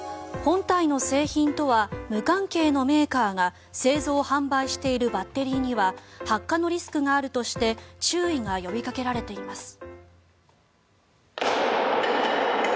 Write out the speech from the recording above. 本体の製品とは無関係のメーカーが製造・販売しているバッテリーには発火のリスクがあるとして注意が呼びかけられています。